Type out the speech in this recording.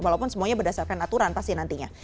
walaupun semuanya berdasarkan aturan pasti nantinya